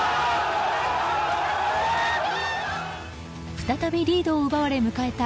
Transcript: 再びリードを奪われ迎えた